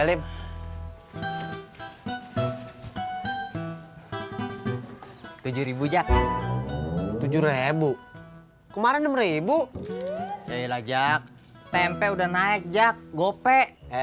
tidak ada yang ngajakin gue